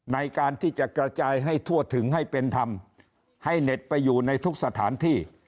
ในการที่จะกระจายให้ทั่วถึงให้เป็นธรรมให้เน็ตไปอยู่ในทุกสถานที่